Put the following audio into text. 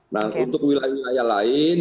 nah untuk wilayah wilayah lain